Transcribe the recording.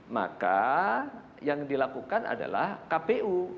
maka yang dilakukan adalah kpu